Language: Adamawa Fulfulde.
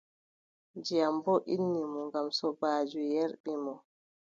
Ndiyam boo ilni mo ngam sobaajo yerɓi mo.